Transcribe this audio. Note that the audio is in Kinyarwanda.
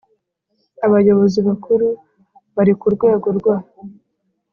Abayobozi Bakuru bari ku rwego rwa